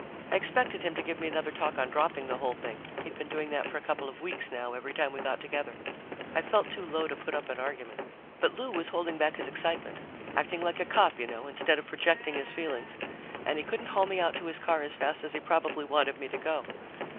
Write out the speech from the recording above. I expected him to give me another talk on dropping the whole thing; he'd been doing that for a couple of weeks now, every time we got together. I felt too low to put up an argument. But Lou was holding back his excitement acting like a cop, you know, instead of projecting his feelings and he couldn't haul me out to his car as fast as he probably wanted me to go.